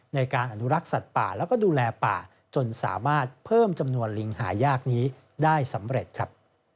ในการอนุรักษ์สัตว์ป่าแล้วก็ดูแลป่าจนสามารถเพิ่มจำนวนลิงหายากนี้ได้สำเร็จครับ